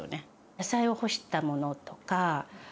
野菜を干したものとか。